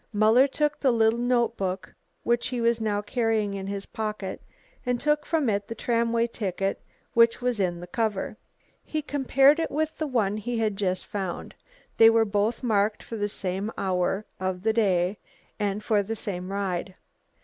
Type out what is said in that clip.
Muller took the little notebook, which he was now carrying in his pocket, and took from it the tramway ticket which was in the cover. He compared it with the one he had just found. They were both marked for the same hour of the day and for the same ride.